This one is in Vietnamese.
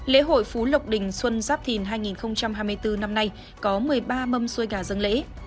lễ hội phú lộc đình xuân giáp thìn hai nghìn hai mươi bốn năm nay có một mươi ba mâm xuôi gà dân lễ